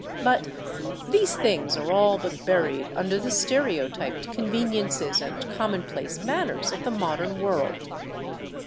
But these things are all but buried under the stereotyped conveniences and commonplace manners of the modern world.